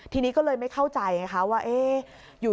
ทีนี้ก็เลยไม่เข้าใจไงคะว่าเอ๊ะอยู่